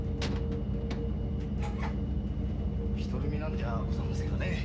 独り身なんじゃあございませんかねえ？